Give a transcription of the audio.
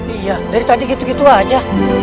iya dari tadi gitu gitu aja